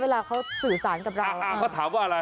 เวลาเขาสื่อสารกับเราเขาถามว่าอะไร